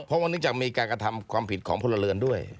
เพราะว่าเนื่องจากมีการกระทำความผิดของพลเรือนด้วย